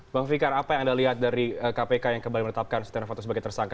bang fikar apa yang anda lihat dari kpk yang kembali menetapkan setia novanto sebagai tersangka